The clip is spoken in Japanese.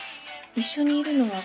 一緒にいるのは